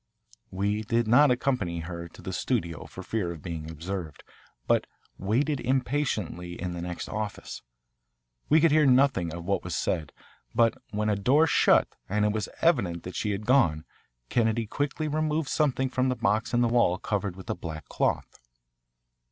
We did not accompany her to the studio for fear of being observed, but waited impatiently in the next office. We could hear nothing of what was said, but when a door shut and it was evident that she had gone, Kennedy quickly removed something from the box in the wall covered with a black cloth.